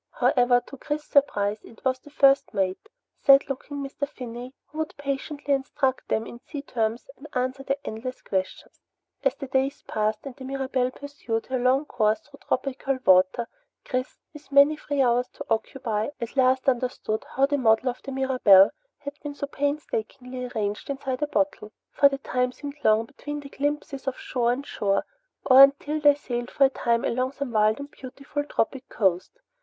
However, to Chris's surprise, it was the first mate, sad looking Mr. Finney, who would patiently instruct them in sea terms and answer their endless questions. As the days passed and the Mirabelle pursued her long course through tropical water, Chris, with many free hours to occupy, at last understood how the model of the Mirabelle had been so painstakingly arranged inside a bottle. For the time seemed long between glimpses of shore and shore, or until they sailed for a time along some wild and beautiful tropic coast.